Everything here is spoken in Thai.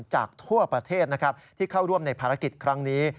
จากทั่วประเทศนะครับที่เข้าร่วมในภารกิจครั้งนี้